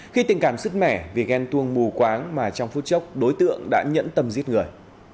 khi tình cảm sứt mẻ vì ghen tuông mù quáng mà trong phút chốc đối tượng đã nhẫn tầm giết người